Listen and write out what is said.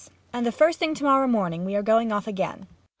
And first thing to morrow morning we are going off again.